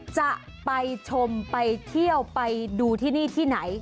จะไปชมไปเที่ยวไปดูที่นี่ที่ไหน